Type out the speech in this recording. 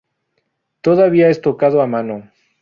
Todavía es tocado a mano.